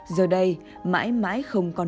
giờ đây mãi mãi không còn